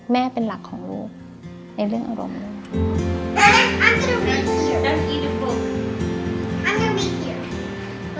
เป็นหลักของลูกในเรื่องอารมณ์